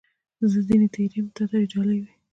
زه ځني تېر یم ، تا ته دي ډالۍ وي .